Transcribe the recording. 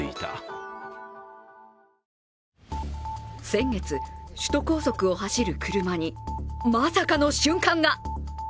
先月、首都高速を走る車にまさかの瞬間が。